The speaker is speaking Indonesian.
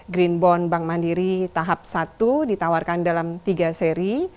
green bond bank mandiri tahap satu ditawarkan dalam tiga seri